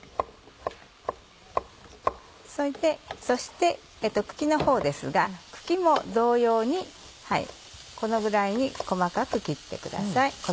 そして茎のほうですが茎も同様にこのぐらいに細かく切ってください。